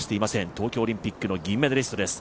東京オリンピックの銀メダリストです。